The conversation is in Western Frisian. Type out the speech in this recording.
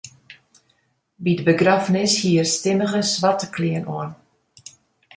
By de begraffenis hie er stimmige swarte klean oan.